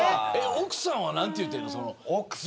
奥さんは何て言ってるの。